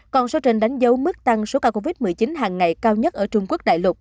còn số trên đánh dấu mức tăng số ca covid một mươi chín hàng ngày cao nhất ở trung quốc đại lục